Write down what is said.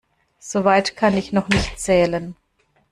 So weit kann ich noch nicht zählen.